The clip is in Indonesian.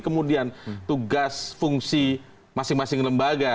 kemudian tugas fungsi masing masing lembaga